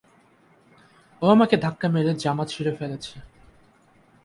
ও আমাকে ধাক্কা মেরে জামা ছিঁড়ে ফেলেছে!